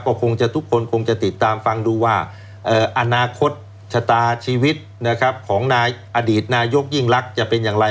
ก็คงจะทุกคนคงจะติดตามฟังดูว่าอนาคตชะตาชีวิตนะครับของนายอดีตนายกยิ่งรักจะเป็นอย่างไร